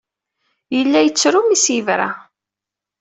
Yella yettru mi as-yebra.